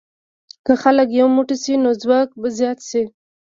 که خلک یو موټی شي، نو ځواک به زیات شي.